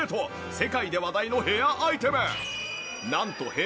世界で話題のヘアアイテム。